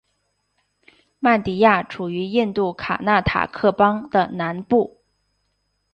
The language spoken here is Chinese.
曼迪亚处于印度卡纳塔克邦的南部。